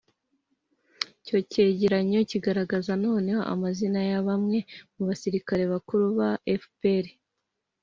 icyo cyegeranyo kigaragaza nanone amazina ya bamwe mu basirikari akuru ba fpr